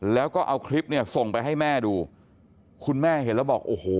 แล้วก็เอาคลิปเนี่ยส่งไปให้แม่ดูคุณแม่เห็นแล้วบอกโอ้โห